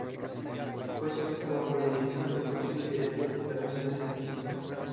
Existió un conflicto por unos carteles publicitarios ubicados encima de algunos comercios.